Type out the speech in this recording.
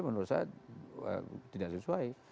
menurut saya tidak sesuai